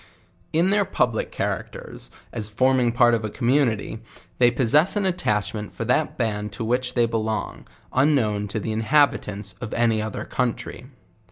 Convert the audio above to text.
In their public characters, as forming part of n communi ty, they possess an attachment for that band to which they belong, unknown to the inhabitants of any other country.